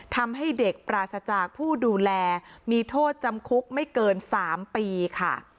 ทำให้เด็กปราศจากผู้ดูแลมีโทษจำคุกไม่เกิน๓ปีค่ะ